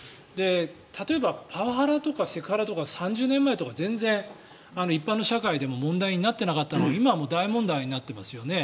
例えばパワハラとかセクハラとか３０年前とか全然、一般の社会でも問題になっていなかったのが今は大問題になっていますよね。